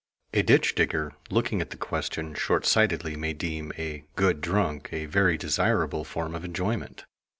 A ditch digger, looking at the question short sightedly, may deem "a good drunk" a very desirable form of enjoyment.